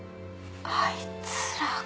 あいつらか。